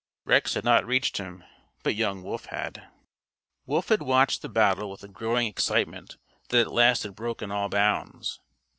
Rex had not reached him, but young Wolf had. Wolf had watched the battle with a growing excitement that at last had broken all bounds.